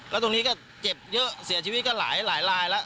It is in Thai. แล้วตรงนี้ก็เจ็บเยอะเสียชีวิตก็หลายลายแล้ว